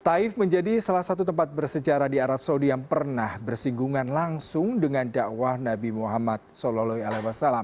taif menjadi salah satu tempat bersejarah di arab saudi yang pernah bersinggungan langsung dengan dakwah nabi muhammad saw